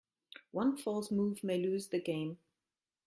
One false move may lose the game.